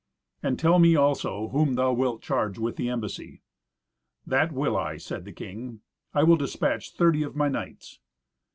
And tell me, also, whom thou wilt charge with the embassy." "That will I," said the king. "I will despatch thirty of my knights."